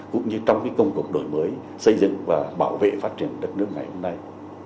cũng như trong công cuộc đổi mới xây dựng và bảo vệ phát triển đất nước ngày hôm nay